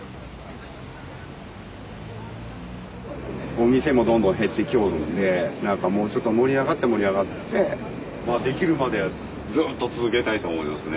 お店もどんどん減ってきよるんでなんかもうちょっと盛り上がって盛り上がってまあできるまでずっと続けたいと思いますね。